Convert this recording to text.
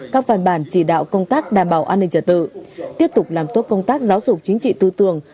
các văn bản chỉ đạo công tác đảm bảo an ninh trật tự tiếp tục làm tốt công tác giáo dục chính trị tư tưởng